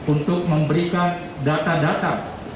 untuk memberikan data data